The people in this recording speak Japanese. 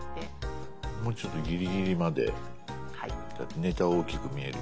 もうちょっとギリギリまでネタを大きく見えるように。